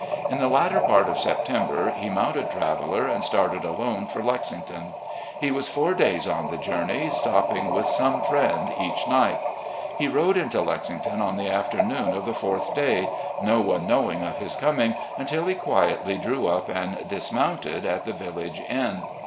In the latter part of September, he moimted Traveller and started alone for Lexington. He was four days on the journey, stopping with some friend each night. He rode into Lexington on the afternoon of the fourth day, i84 recollections OF GENERAL LEE no one knowing of his coming until he quietly drew up and dismounted at the village inn.